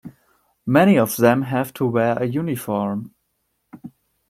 Many of them have to wear a uniform.